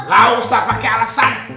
gak usah pake alasan